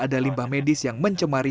ada limbah medis yang mencemari